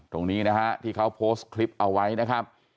ตรงนี้นะฮะที่เขาโพสต์คลิปเอาไว้นะครับ